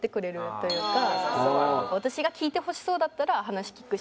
私が聞いてほしそうだったら話聞くし。